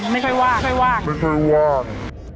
ไม่ค่อยว่างไม่ค่อยว่าง